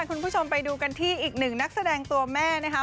คุณผู้ชมไปดูกันที่อีกหนึ่งนักแสดงตัวแม่นะคะ